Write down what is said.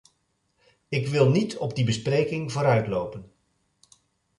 Ik wil niet op die bespreking vooruitlopen.